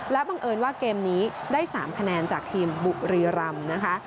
บังเอิญว่าเกมนี้ได้๓คะแนนจากทีมบุรีรำนะคะ